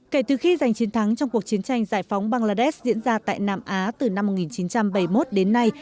kể từ khi giành chiến thắng trong cuộc chiến tranh giải phóng bangladesh diễn ra tại nam á từ năm một nghìn chín trăm bảy mươi một đến nay